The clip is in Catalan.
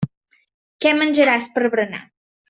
Què menjaràs per berenar.